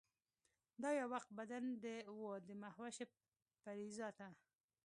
دا یو وخت بدن و د مهوشه پرې ذاته